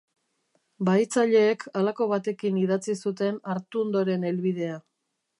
Bahitzaileek halako batekin idatzi zuten Artundoren helbidea.